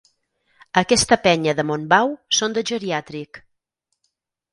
Aquesta penya de Montbau són de geriàtric.